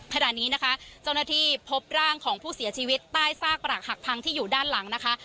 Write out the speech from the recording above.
ขณะนี้นะคะเจ้าหน้าที่พบร่างของผู้เสียชีวิตใต้ซากปรักหักพังที่อยู่ด้านหลังนะคะ